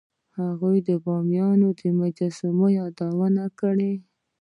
هغه د بامیان د مجسمو یادونه کړې